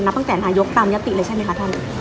นับตั้งแต่นายกตามยักษ์ติเลยใช่ไหมครับท่าน